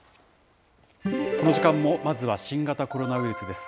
この時間もまずは新型コロナウイルスです。